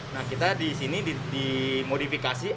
nah kita di sini dimodifikasi